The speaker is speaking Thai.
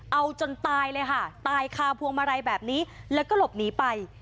เอาจนตายเลยค่ะตายคาพวงมาลัยแบบนี้แล้วก็หลบหนีไป